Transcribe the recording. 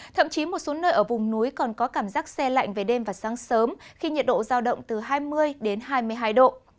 thậm chí một số nơi ở vùng núi còn có cảm giác xe lạnh về đêm và sáng sớm khi nhiệt độ giao động từ hai mươi đến hai mươi hai độ